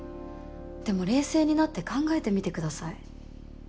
でも冷静になって考えてみてください。